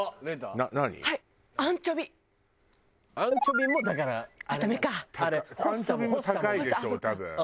アンチョビも高いでしょ多分。